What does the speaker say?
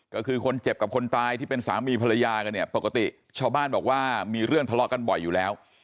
ก็คือคนเจ็บกับคนตายที่เป็นสามีภรรยากันเนี่ยปกติชาวบ้านบอกว่ามีเรื่องทะเลาะกันบ่อยอยู่แล้ว